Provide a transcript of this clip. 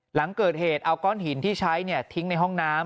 หลังเกิดเหตุเอาก้อนหินที่ใช้ทิ้งในห้องน้ำ